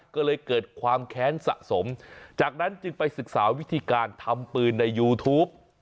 ก็เลยเกิดความแค้นสะสมจากนั้นจึงไปศึกษาวิธีการทำปืนในยูทูป